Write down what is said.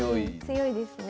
強いですね。